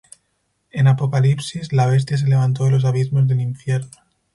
En Apocalipsis, La Bestia se levantó de los abismos del infierno.